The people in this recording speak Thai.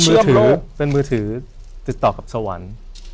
เป็นมือถือติดต่อกับสวรรค์